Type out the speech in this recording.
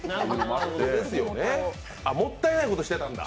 あっ、もったいないことをしてたんだ。